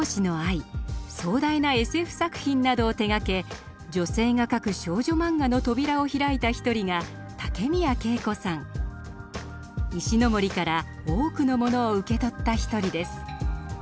壮大なＳＦ作品などを手がけ女性が描く少女漫画の扉を開いた一人が石森から多くのものを受け取った一人です。